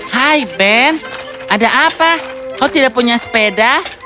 hai ben ada apa kau tidak punya sepeda